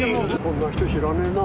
こんな人知らねえな。